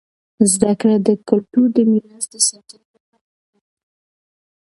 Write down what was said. زده کړه د کلتور د میراث د ساتنې لپاره اړینه دی.